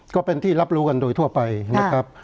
ก็เป็นที่รับรู้กันโดยทั่วไปนะครับ